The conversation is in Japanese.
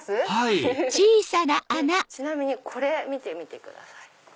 ちなみにこれ見てみてください。